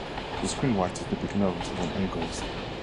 The screenwriters depict Lawrence as an egotist.